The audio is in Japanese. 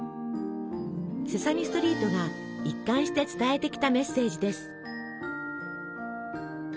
「セサミストリート」が一貫して伝えてきたメッセージです。